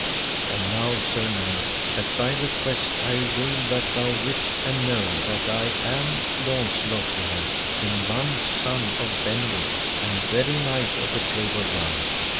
And now, sir knight, at thy request I will that thou wit and know that I am Launcelot du Lake, King Ban's son of Benwick, and very knight of the Table Round.